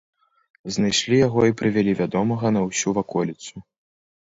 Знайшлі яго і прывялі, вядомага на ўсю ваколіцу.